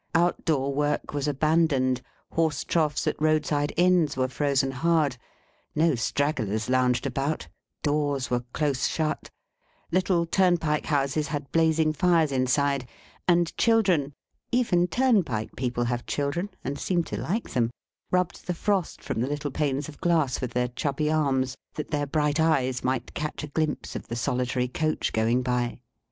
Out door work was abandoned, horse troughs at roadside inns were frozen hard, no stragglers lounged about, doors were close shut, little turnpike houses had blazing fires inside, and children (even turnpike people have children, and seem to like them) rubbed the frost from the little panes of glass with their chubby arms, that their bright eyes might catch a glimpse of the solitary coach going by.